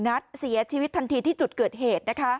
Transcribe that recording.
นัดเสียชีวิตทันทีที่จุดเกิดเหตุ